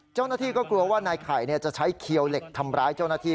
เจ้าหน้าที่ก็กลัวว่านายไข่จะใช้เขียวเหล็กทำร้ายเจ้าหน้าที่